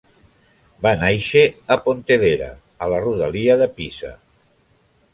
Va nàixer a Pontedera, a la rodalia de Pisa.